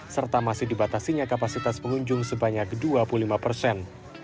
serta masih dibatasinya kapasitas pengunjung sebanyak dua puluh lima persen